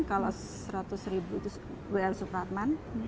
kalau seratus ribu itu wl supratman